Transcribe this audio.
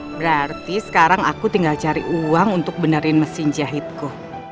berarti sekarang aku tinggal cari uang untuk benerin mesin jahitku